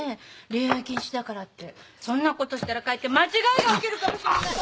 恋愛禁止だからってそんなことしたらかえって間違いが起きるかもしれない。